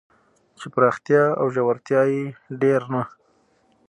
چې پراختیا او ژورتیا یې ډېر نه